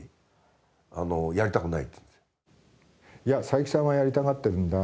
斉木さんはやりたがってるんだ。